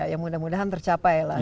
ya mudah mudahan tercapai lah